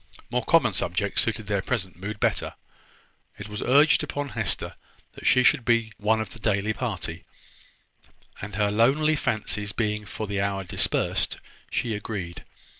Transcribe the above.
More common subjects suited their present mood better. It was urged upon Hester that she should be one of the daily party; and, her lonely fancies being for the hour dispersed, she agreed.